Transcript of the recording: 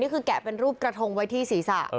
แกะเป็นรูปกระทงไว้ที่ศีรษะ